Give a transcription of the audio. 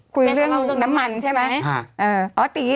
คุยเรื่องน้ำมันใช่ไหม